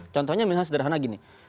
contohnya misalnya sederhana gini